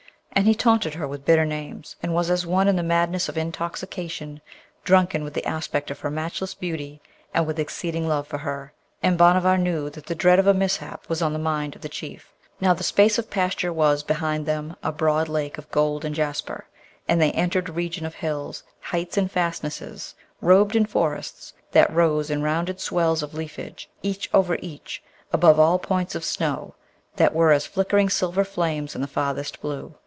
And he taunted her with bitter names, and was as one in the madness of intoxication, drunken with the aspect of her matchless beauty and with exceeding love for her. And Bhanavar knew that the dread of a mishap was on the mind of the Chief. Now, the space of pasture was behind them a broad lake of gold and jasper, and they entered a region of hills, heights, and fastnesses, robed in forests that rose in rounded swells of leafage, each over each above all points of snow that were as flickering silver flames in the farthest blue.